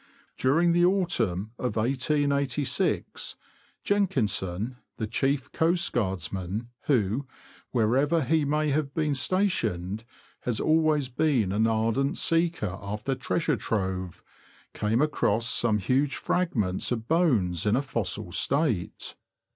During the autumn of 1886, Jenkinson, the chief coastguardsman, who, wherever he may have been stationed, has always been an ardent seeker after treasure trove, came across some huge fragments of bones in a fossil state.